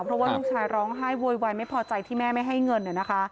เพราะว่าลูกชายร้องไห้โวยวายไม่พอใจที่แม่ไม่ให้เงินนะคะ